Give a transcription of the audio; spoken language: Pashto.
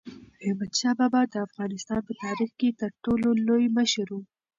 احمدشاه بابا د افغانستان په تاریخ کې تر ټولو لوی مشر و.